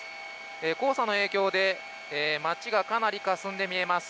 黄砂の影響で街がかなりかすんで見えます。